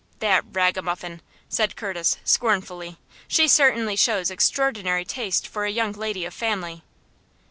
"That ragamuffin!" said Curtis, scornfully. "She certainly shows extraordinary taste for a young lady of family."